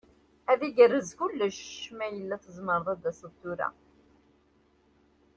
Ad igerrez kullec ma yella tzemreḍ ad d-taseḍ tura.